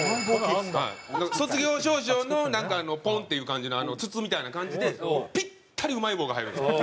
卒業証書のなんかポンっていう感じの筒みたいな感じでぴったりうまい棒が入るんですよ。